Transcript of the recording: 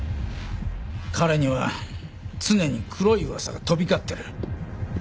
彼には常に黒い噂が飛び交ってる。